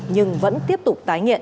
nhưng vẫn tiếp tục tái nghiện